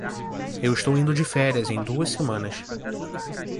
Eu estou indo de férias em duas semanas.